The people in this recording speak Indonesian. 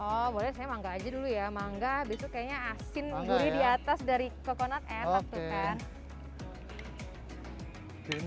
oh boleh saya mangga aja dulu ya mangga besok kayaknya asin gurih di atas dari coconut enak tuh kan